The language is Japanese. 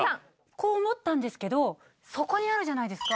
こう思ったんですけどそこにあるじゃないですか。